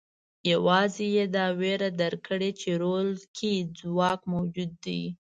یوازې یې دا وېره درک کړې چې رول کې ځواک موجود دی.